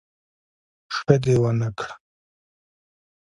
ښه دي ونکړه